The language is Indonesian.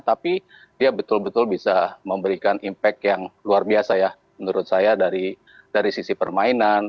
tapi dia betul betul bisa memberikan impact yang luar biasa ya menurut saya dari sisi permainan